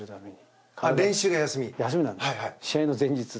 試合の前日。